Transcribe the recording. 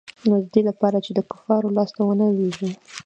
نو د دې د پاره چې د کفارو لاس ته ونه لوېږي.